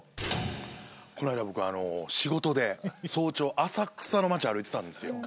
この間僕あの仕事で早朝浅草の街歩いてたんですよ。